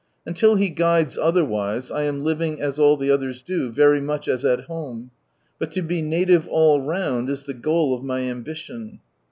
Until He guides otherwise, I am living as ail Ihe others do, very much as at home ; but to be native all round, is the goal of my ambition.